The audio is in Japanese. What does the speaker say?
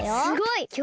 すごい！